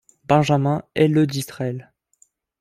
Benjamin est le d'Israël.